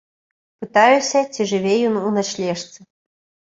Пытаюся, ці жыве ён у начлежцы.